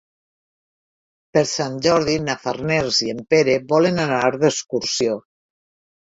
Per Sant Jordi na Farners i en Pere volen anar d'excursió.